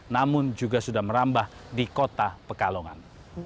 namun juga sudah merambah di kota pekalongan